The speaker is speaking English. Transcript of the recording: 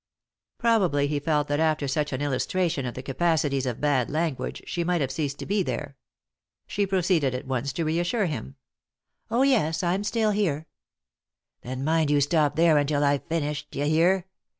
" Probably he felt that after such an illustration of the capacities of bad language she might have ceased to be there. She proceeded at once to reassure him. " Oh, yes, I'm still here." "Then mind you stop there until I've finished— d'ye hear